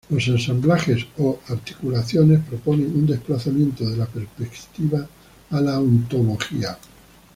Los ensamblajes o articulaciones proponen un desplazamiento de la perspectiva a la ontología.